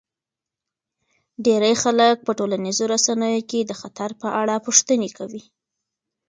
ډیری خلک په ټولنیزو رسنیو کې د خطر په اړه پوښتنې کوي.